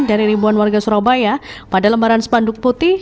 dari ribuan warga surabaya pada lembaran spanduk putih